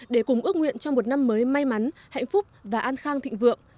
để cùng ước nguyện cho một năm mới may mắn hạnh phúc và an khang thịnh vượng